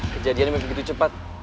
kejadiannya begitu cepat